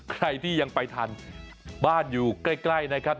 ใครที่ยังไปทันบ้านอยู่ใกล้นะครับ